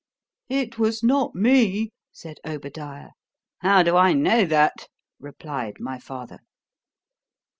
——It was not me, said Obadiah.——How do I know that? replied my father.